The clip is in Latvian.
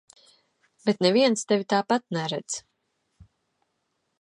Bet neviens tevi tāpat neredz.